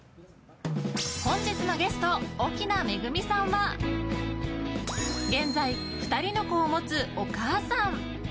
本日のゲスト奥菜恵さんは現在、２人の子を持つお母さん。